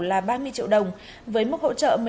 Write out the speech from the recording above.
là ba mươi triệu đồng với mức hỗ trợ